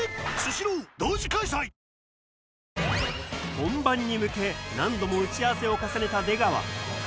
本番に向け何度も打ち合わせを重ねた出川